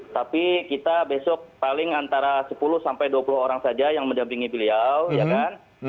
tapi kita besok paling antara sepuluh sampai dua puluh orang saja yang mendampingi beliau ya kan